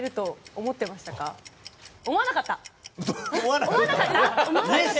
思わなかった？